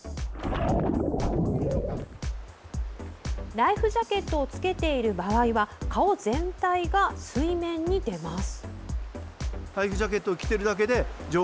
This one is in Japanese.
ライフジャケットを着けている場合は顔全体が水面に出ます。